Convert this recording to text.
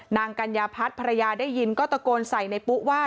กัญญาพัฒน์ภรรยาได้ยินก็ตะโกนใส่ในปุ๊ว่า